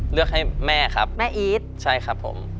เลือกให้แม่ครับใช่ครับผมแม่อีท